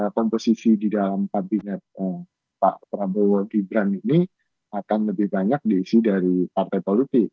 komposisi di dalam kabinet pak prabowo gibran ini akan lebih banyak diisi dari partai politik